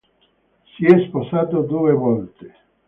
Si è sposato due volte.